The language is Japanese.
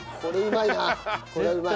これはうまい。